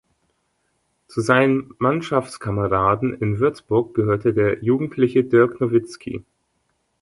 Zu seinen Mannschaftskameraden in Würzburg gehörte der jugendliche Dirk Nowitzki.